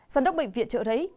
giám đốc bệnh viện trợ đấy